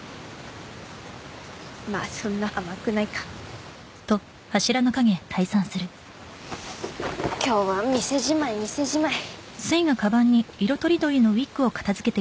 まあそんな甘くないか今日は店じまい店じまい